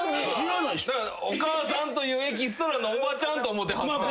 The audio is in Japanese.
だからお母さんというエキストラのおばちゃんと思うてはったんです。